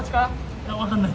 いや、分かんない。